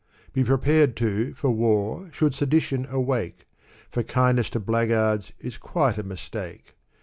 Be prepared, too, for war, should sedition awake ! For kindness to blackguards is quite a mistake.